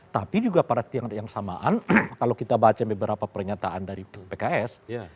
tapi juga pada yang samaan kalau kita baca beberapa pernyataan dari pks